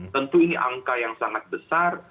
tentu ini angka yang sangat besar